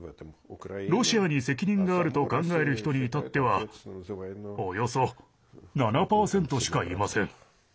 ロシアに責任があると考える人にいたってはおよそ７％しかいません。